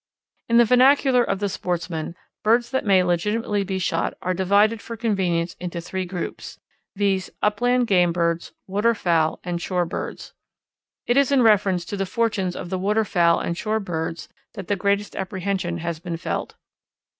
In the vernacular of the sportsman, birds that may legitimately be shot are divided for convenience into three groups, viz., upland game birds, water fowl, and shore birds. It is in reference to the fortunes of the water fowl and shore birds that the greatest apprehension has been felt.